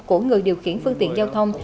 của người điều khiển phương tiện giao thông